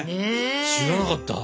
知らなかった。